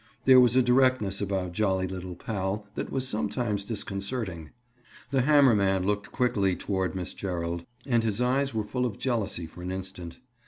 There was a directness about jolly little pal that was sometimes disconcerting. The hammer man looked quickly toward Miss Gerald, and his eyes were full of jealousy for an instant.